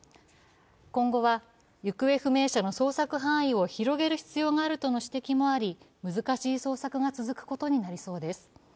今後は、行方不明者の捜索範囲を広げる必要があるとの指摘もあり難しい捜索が続くことになりそうです。